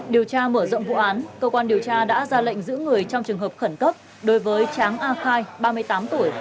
điều tra mở rộng vụ án cơ quan điều tra đã ra lệnh giữ người trong trường hợp khẩn cấp đối với tráng a khai ba mươi tám tuổi